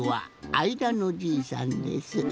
あいだのじいさんです。